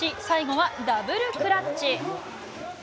最後はダブルクラッチ。